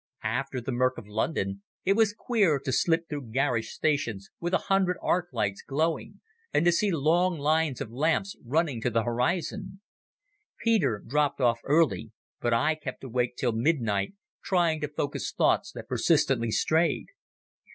After the murk of London it was queer to slip through garish stations with a hundred arc lights glowing, and to see long lines of lamps running to the horizon. Peter dropped off early, but I kept awake till midnight, trying to focus thoughts that persistently strayed.